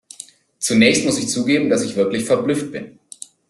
Zunächst muss ich zugeben, dass ich wirklich verblüfft bin.